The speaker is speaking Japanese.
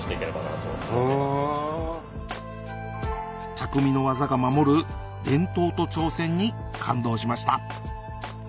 匠の技が守る伝統と挑戦に感動しました